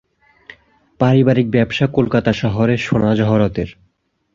পারিবারিক ব্যবসা কলকাতা শহরে সোনা-জহরতের।